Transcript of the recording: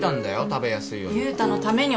食べやすいように。